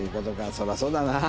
そりゃそうだな。